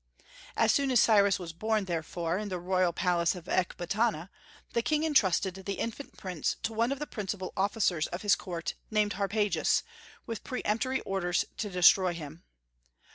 As soon as Cyrus was born therefore in the royal palace at Ecbatana, the king intrusted the infant prince to one of the principal officers of his court, named Harpagus, with peremptory orders to destroy him.